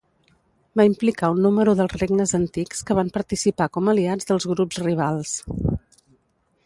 Va implicar un número dels regnes antics que van participar com aliats dels grups rivals.